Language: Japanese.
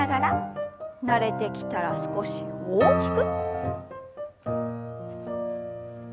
慣れてきたら少し大きく。